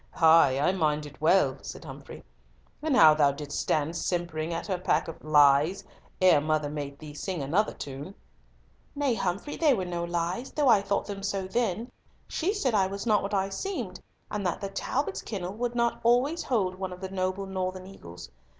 Ay, I mind it well," said Humfrey, "and how thou didst stand simpering at her pack of lies, ere mother made thee sing another tune." "Nay, Humfrey, they were no lies, though I thought them so then. She said I was not what I seemed, and that the Talbots' kennel would not always hold one of the noble northern eagles.